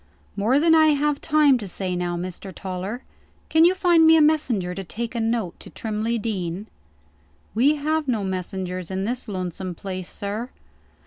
"More than I have time to say now, Mr. Toller. Can you find me a messenger to take a note to Trimley Deen?" "We have no messengers in this lonesome place, sir."